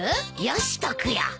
よしとくよ。